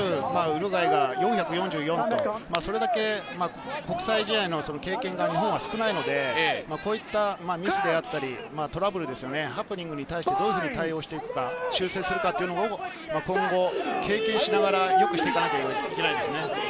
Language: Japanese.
ウルグアイが４４４と、それだけ国際試合の経験が日本は少ないので、こういったミスであったり、トラブルですよね、ハプニングに対してどういうふうに対応していくか、修正するかっていうのも、今後経験しながら、よくしていかなくてはいけないですね。